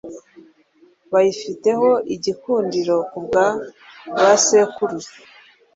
bayifiteho igikundiro ku bwa ba sekuruza: